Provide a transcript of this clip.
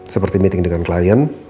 seperti meeting dengan klien